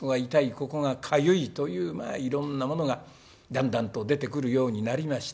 ここがかゆいというまあいろんなものがだんだんと出てくるようになりました。